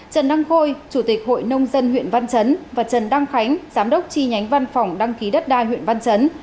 trần đăng khôi chủ tịch hội nông dân huyện văn chấn và trần đăng khánh giám đốc chi nhánh văn phòng đăng ký đất đai huyện văn chấn